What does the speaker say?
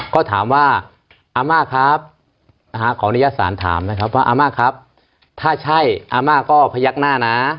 ก็ถามว่าอาม่าครับขออนุญาตสารถามนะครับว่าอาม่าครับถ้าใช่อาม่าก็พยักหน้านะ